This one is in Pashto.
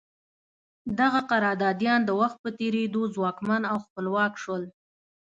دغه قراردادیان د وخت په تېرېدو ځواکمن او خپلواک شول.